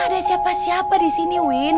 ada siapa siapa di sini win